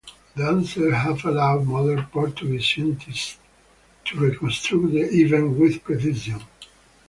The answers have allowed modern Portuguese scientists to reconstruct the event with precision.